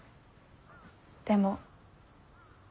でも。